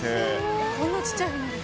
こんなちっちゃい船で。